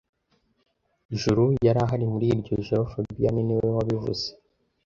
Juru yari ahari muri iryo joro fabien niwe wabivuze